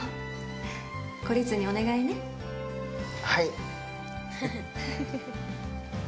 はい。